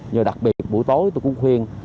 nhưng đặc biệt buổi tối tôi cũng khuyên